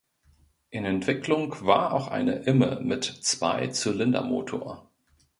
In Entwicklung war auch eine „Imme“ mit Zweizylindermotor.